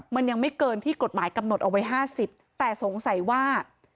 มันยังไม่เกินที่กฎหมายกำหนดเอาไว้๕๐แต่สงสัยว่า